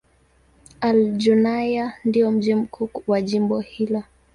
Al-Junaynah ndio mji mkuu wa jimbo hili.